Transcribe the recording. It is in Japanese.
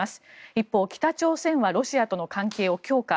一方、北朝鮮はロシアとの関係を強化。